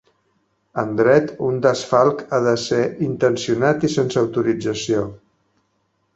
En Dret, un desfalc ha d'ésser intencionat i sense autorització.